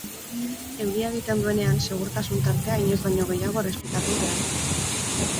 Euria egiten duenean segurtasun-tartea inoiz baino gehiago errespetatu behar da.